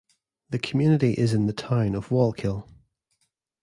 The community is in the Town of Wallkill.